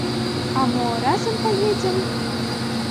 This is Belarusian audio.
А мо разам паедзем?